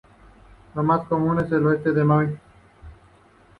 Es más común en el oeste de Maui.